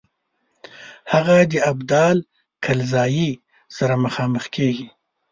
هغه د ابدال کلزايي سره مخامخ کیږي.